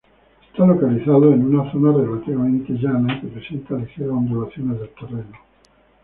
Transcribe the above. Está localizado en una zona relativamente llana, que presenta ligeras ondulaciones del terreno.